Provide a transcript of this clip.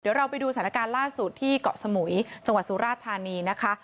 เดี๋ยวเราไปดูสถานการณ์ล่าสุดที่เกาะสมุยจังหวัดสุราธานีนะคะ